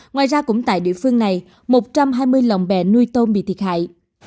ngoài ra cũng tại địa phương này một trăm hai mươi lồng bè nuôi tôm bị thiệt hại